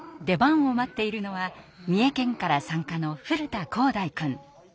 出番を待っているのは三重県から参加の古田紘大くん。